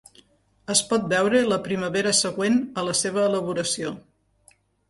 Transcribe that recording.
Es pot beure la primavera següent a la seva elaboració.